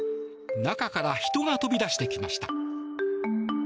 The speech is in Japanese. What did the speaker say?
中から人が飛び出してきました。